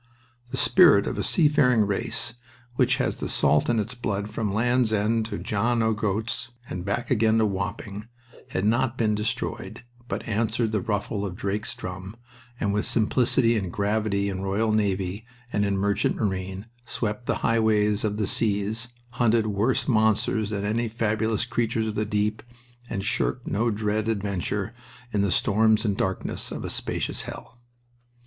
The spirit of a seafaring race which has the salt in its blood from Land's End to John o' Groat's and back again to Wapping had not been destroyed, but answered the ruffle of Drake's drum and, with simplicity and gravity in royal navy and in merchant marine, swept the highways of the seas, hunted worse monsters than any fabulous creatures of the deep, and shirked no dread adventure in the storms and darkness of a spacious hell.